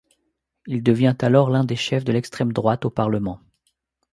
Il devient alors l'un des chefs de l'extrême-droite au Parlement.